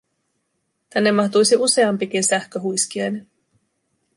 Tänne mahtuisi useampikin sähköhuiskiainen.